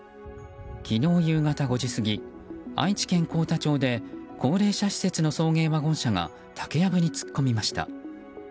昨日夕方５時過ぎ愛知県幸田町で高齢者施設の送迎ワゴン車が竹藪に突っ込みました。